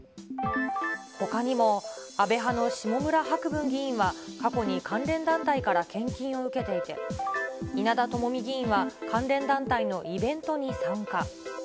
ほかにも安倍派の下村博文議員は、過去に関連団体から献金を受けていて、稲田朋美議員は、関連団体のイベントに参加。